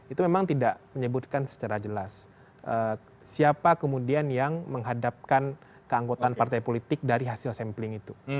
itu memang tidak menyebutkan secara jelas siapa kemudian yang menghadapkan keanggotaan partai politik dari hasil sampling itu